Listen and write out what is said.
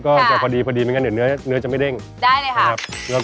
ก็จะพอดีไม่น่าเดือนื้อจะไม่ตุร่งดีเลยค่ะเษฟได้เลยค่ะ